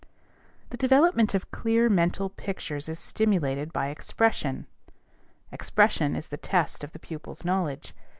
The development of clear mental pictures is stimulated by expression. "Expression is the test of the pupil's knowledge."